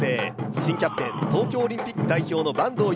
新キャプテン東京オリンピック代表の坂東悠